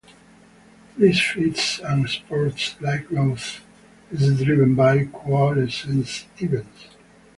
This fits and spurts like growth is driven by coalescence events.